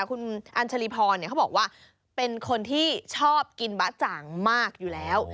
คุณอัญชรีพรเขาบอกว่าเป็นคนที่ชอบกินบะจ่างมากอยู่แล้ว